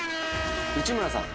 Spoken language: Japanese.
内村さん。